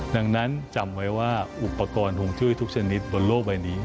ดังนั้นจำไว้ว่าอุปกรณ์ฮวงจุ้ยทุกชนิดบนโลกใบนี้